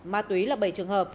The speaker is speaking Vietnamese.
ma túy là bảy trường hợp